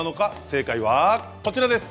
正解はこちらです。